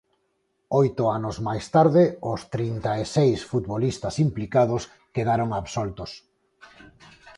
Oito anos máis tarde, os trinta e seis futbolistas implicados quedaron absoltos.